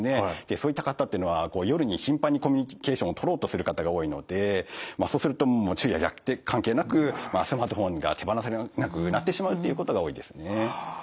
そういった方っていうのは夜に頻繁にコミュニケーションをとろうとする方が多いのでそうするともう昼夜逆転関係なくスマートフォンが手放せなくなってしまうっていうことが多いですね。